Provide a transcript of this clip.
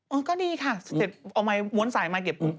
เออก็ดีค่ะเสร็จเอาไหมว้นสายมาเก็บ